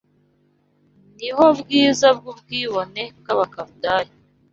Ni ho bwiza bw’ubwibone bw’Abakaludaya